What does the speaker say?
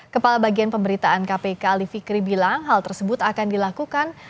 kepala bagian pemberitaan kpk ali fikri bilang hal tersebut akan dilakukan